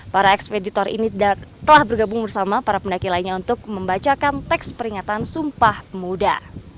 para ekspeditor ini telah bergabung bersama para pendaki lainnya untuk membacakan teks peringatan sumpah pemuda